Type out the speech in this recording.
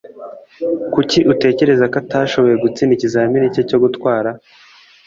Kuki utekereza ko atashoboye gutsinda ikizamini cye cyo gutwara?